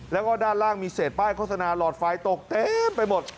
แล้วก็ด้านล่างมีเศษป้ายโฆษณาหลอดไฟตกเต็มไปหมด